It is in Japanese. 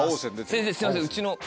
先生すいませんうちの。